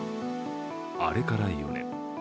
あれから４年。